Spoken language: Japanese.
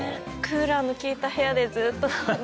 クーラーの効いた部屋でずっとははははっ